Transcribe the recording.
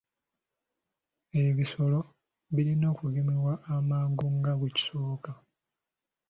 Ebisolo birina okugemebwa amangu nga bwe kisoboka.